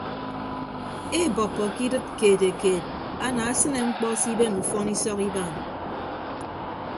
Eebọppọ ke idịt keetekeet anaasịne ñkpọ siben ufọn isọk ibaan.